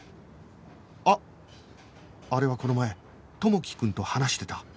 あっあれはこの前知樹くんと話してた